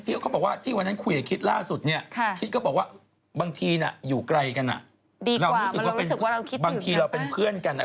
เดี๋ยวจบรายการโทรไปหาเพื่อนก่อน